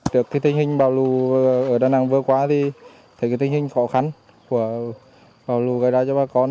trước cái tình hình bão lù ở đà nẵng vừa qua thì thấy cái tình hình khó khăn của bão lù gây ra cho bà con